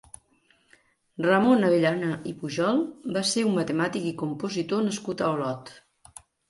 Ramon Avellana i Pujol va ser un matemàtic i compositor nascut a Olot.